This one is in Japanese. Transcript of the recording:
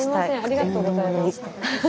ありがとうございます。